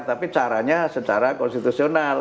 tapi caranya secara konstitusional